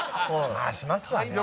まあしますわね。